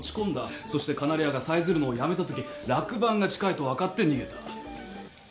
そしてカナリアがさえずるのをやめたとき落盤が近いと分かって逃げた。